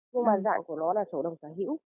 nhưng mà dạng của nó là sổ đồng sản hữu